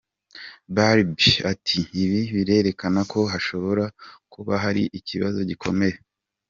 Barbie ati “Ibi birerekana ko hashobora kuba hari ikibazo gikomeye.